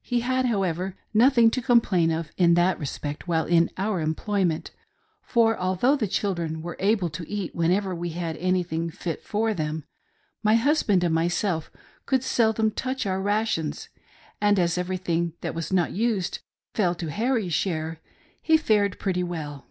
He had, however, nothing to complain of in that respect while in our employment, for although the children were able to eat whenever we had anything fit for them, my husband and myself could seldom touch our rations, and as everything that was not used fell to Harry's share, he fared pretty well.